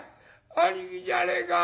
兄貴じゃねえか。